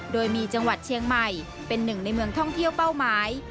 โดยมีจังหวัดเชียงใหม่เป็นหนึ่งในเมืองท่องเที่ยวเป้าหมาย